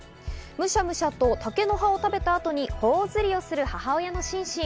むしゃむしゃと竹の葉を食べた後にほおずりをする母親のシンシン。